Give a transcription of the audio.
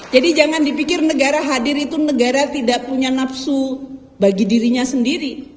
jadi jangan dipikir negara hadir itu negara tidak punya nafsu bagi dirinya sendiri